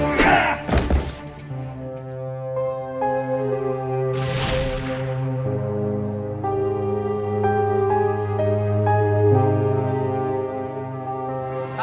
terima kasih komandan